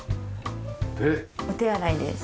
お手洗いです。